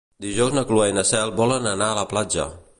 Dijous na Cloè i na Cel volen anar a la platja.